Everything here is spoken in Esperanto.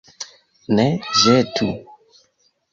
Ne ĵetu!